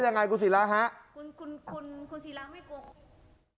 การเงินมันมีฝ่ายฮะ